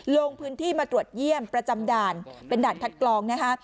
ลงพื้นที่มาตรวจเยี่ยมประจำด่านเป็นด่านคัดกรองนะคะ